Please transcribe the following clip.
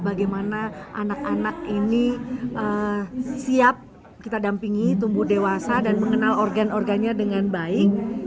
bagaimana anak anak ini siap kita dampingi tumbuh dewasa dan mengenal organ organnya dengan baik